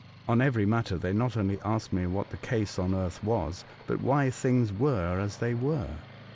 On every matter they not only asked me what was the case on earth, but why things were as they were.